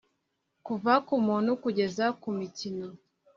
kuva kumuntu kugeza kumikino